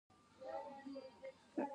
درد مو د کوم ځای دی؟